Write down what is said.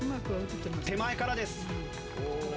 手前からです。